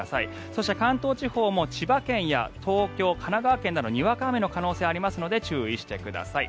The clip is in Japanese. そして関東地方も千葉県や東京、神奈川県などにわか雨の可能性がありますので注意してください。